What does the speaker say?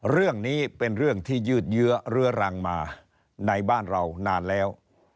เรื่องนี้เป็นเรื่องที่ยืดเยื้อเรื้อรังมาในบ้านเรานานแล้ว